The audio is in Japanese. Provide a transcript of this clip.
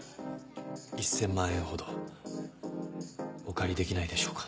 １千万円ほどお借りできないでしょうか。